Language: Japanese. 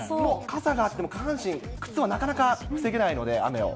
傘があっても、下半身、靴はなかなか防げないので、雨を。